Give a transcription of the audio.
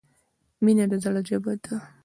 مینه د زړه ژبه ده.